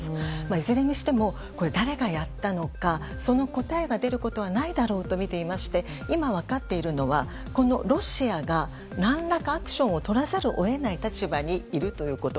いずれにしても、誰がやったのかその答えが出ることはないだろうとみていまして今、分かっているのはロシアが何等かのアクションをとらざるを得ない立場にいるということ。